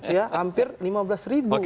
ya hampir lima belas ribu